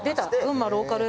群馬ローカル。